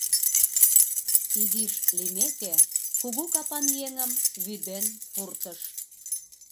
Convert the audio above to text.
Изиш лиймеке, кугу капан еҥым вӱден пуртыш.